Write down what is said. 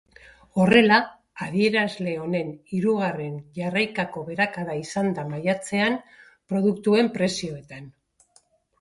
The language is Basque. Horrela, adierazle honen hirugarren jarraikako beherakada izan da maiatzean produktuen prezioetan.